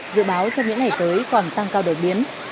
dự báo trong những ngày tới còn tăng cao đột biến